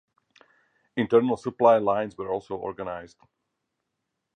Internal supply lines were also organized.